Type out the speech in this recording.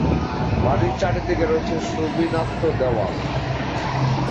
বাড়ির চারিদিকে রয়েছে সুবিন্যস্ত দেওয়াল।